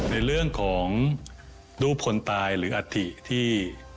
ในเรื่องของรูปพลนไตหรืออธิที่